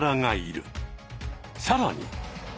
さらに！